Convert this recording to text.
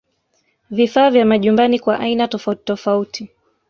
Vifaa vya majumbani kwa aina tofauti tofauti